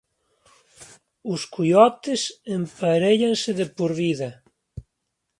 Os coiotes emparéllanse de por vida.